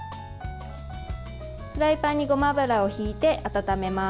フライパンにごま油をひいて温めます。